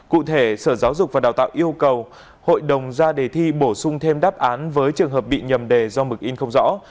cụ thể sở giáo dục và đào tạo yêu cầu hội đồng ra đề thi bổ sung thêm đáp án với trường hợp bị nhầm đề do mực in không rõ